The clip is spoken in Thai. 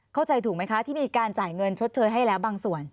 ถูกไหมคะที่มีการจ่ายเงินชดเชยให้แล้วบางส่วน